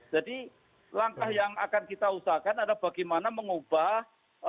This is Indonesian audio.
jadi langkah yang akan kita usahakan adalah bagaimana mengubah